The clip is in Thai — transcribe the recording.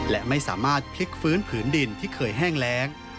และไม่สามารถพลิกฟื้นผืนดินที่เคยแห้งแรง